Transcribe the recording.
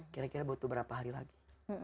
kira kira butuh berapa hari lagi